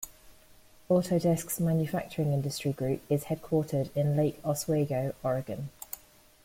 Autodesk's manufacturing industry group is headquartered in Lake Oswego, Oregon.